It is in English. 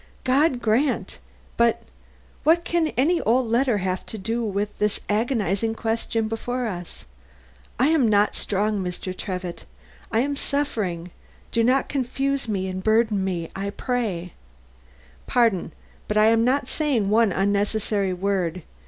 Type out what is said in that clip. God grant but what can any old letter have to do with the agonizing question before us? I am not strong, Mr. Trevitt I am suffering do not confuse and burden me, I pray " "Pardon, I am not saying one unnecessary word.